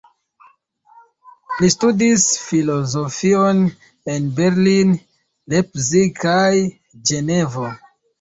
Li studis filozofion en Berlin, Leipzig kaj Ĝenevo.